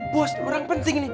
bos orang penting ini